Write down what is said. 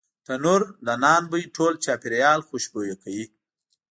تنوردنان بوی ټول چاپیریال خوشبویه کوي.